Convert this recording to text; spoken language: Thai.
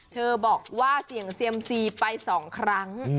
เธอบอกว่าเสี่ยงเซียมซีไป๒ครั้ง